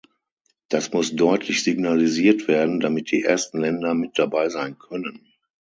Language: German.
Das muss deutlich signalisiert werden, damit die ersten Länder mit dabei sein können.